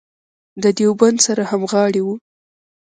د دیوبند سره همغاړې وه.